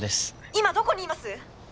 「今どこにいます！？」